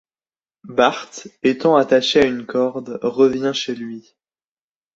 Bart, étant attaché à une corde, revient chez lui.